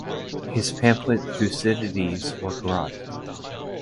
His pamphlet Thucydides or Grote?